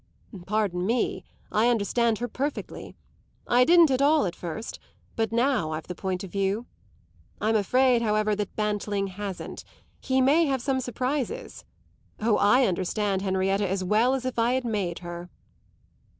"Pardon me, I understand her perfectly. I didn't at all at first, but now I've the point of view. I'm afraid, however, that Bantling hasn't; he may have some surprises. Oh, I understand Henrietta as well as if I had made her!"